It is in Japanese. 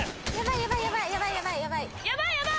やばぁい！